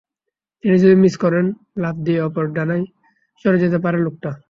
তিনি যদি মিস করেন, লাফ দিয়ে অপর ডানায় সরে যেতে পারে লোকটা।